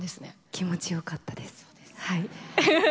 気持ちよかったです。